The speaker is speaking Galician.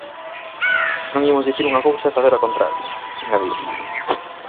"Non imos dicir unha cousa e facer a contraria", engadía.